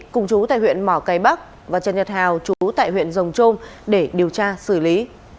cùng chú tại huyện mỏ cây bắc và trần nhật hào chú tại huyện rồng trôm để điều tra xử lý